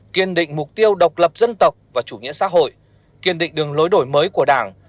kiên định mục tiêu độc lập dân tộc và chủ nghĩa xã hội kiên định đường lối đổi mới của đảng